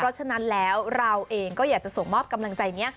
เพราะฉะนั้นแล้วเราเองก็อยากจะส่งมอบกำลังใจนี้